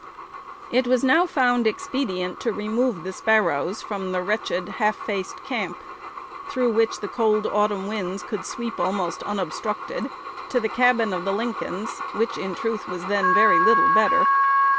It was now found expedient to remove the Sparrows from the wretched "half faced camp," through which the cold autumn winds could sweep almost unobstructed, to the cabin of the Lincolns, which in truth was then very little better.